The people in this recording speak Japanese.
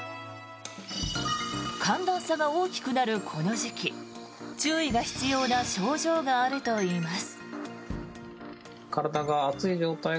寒暖差が大きくなるこの時期注意が必要な症状があるといいます。